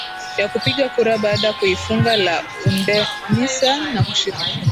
Ya kupiga kura baada ya kuifunga La Undecima na kushika